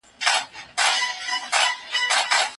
ولي کوښښ کوونکی د لایق کس په پرتله ډېر مخکي ځي؟